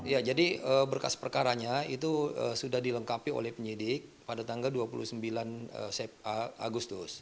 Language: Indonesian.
ya jadi berkas perkaranya itu sudah dilengkapi oleh penyidik pada tanggal dua puluh sembilan agustus